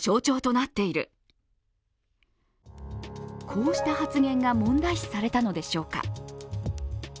こうした発言が問題視されたのでしょうか。